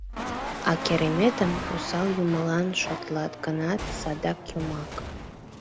А Кереметым осал юмылан шотлат гынат, садак юмак.